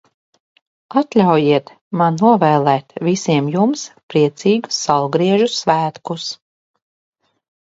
Atļaujiet man novēlēt visiem jums priecīgus Saulgriežu svētkus!